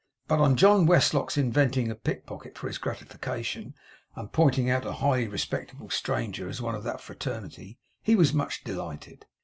But on John Westlock's inventing a pickpocket for his gratification, and pointing out a highly respectable stranger as one of that fraternity, he was much delighted.